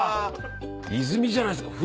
泉じゃないですか